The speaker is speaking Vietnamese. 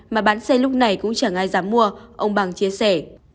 mà bán xe lúc này cũng chẳng ai dám mua ông bằng chia sẻ